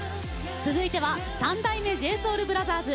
続いては三代目ＪＳＯＵＬＢＲＯＴＨＥＲＳ。